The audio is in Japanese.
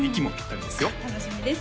楽しみです